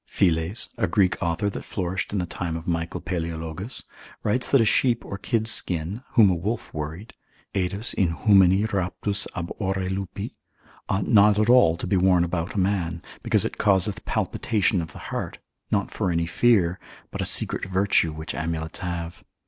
Philes, a Greek author that flourished in the time of Michael Paleologus, writes that a sheep or kid's skin, whom a wolf worried, Haedus inhumani raptus ab ore lupi, ought not at all to be worn about a man, because it causeth palpitation of the heart, not for any fear, but a secret virtue which amulets have.